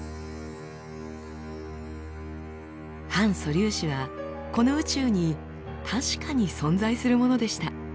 反素粒子はこの宇宙に確かに存在するものでした。